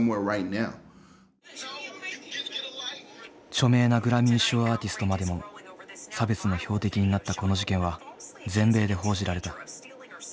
著名なグラミー賞アーティストまでも差別の標的になったこの事件は全米で報じられた。